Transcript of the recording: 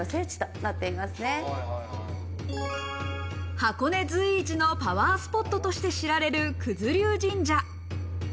箱根随一のパワースポットとして知られる九頭龍神社。